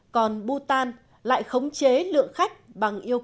còn bhutan lại khống chế lượng khách du lịch nổi tiếng của nước này